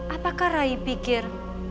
apakah rai pikir